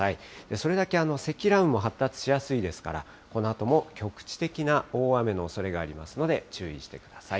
それだけ積乱雲も発達しやすいですから、このあとも局地的な大雨のおそれがありますので、注意してください。